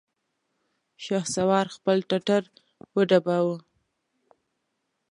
شهسوار خپل ټټر وډباوه!